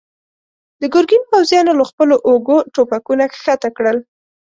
د ګرګين پوځيانو له خپلو اوږو ټوپکونه کښته کړل.